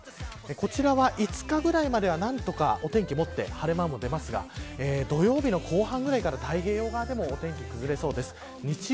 こちらは、５日ぐらいまでは何とかお天気持って晴れ間も出ますが土曜日の後半ぐらいから太平洋側でも天気崩れそうです。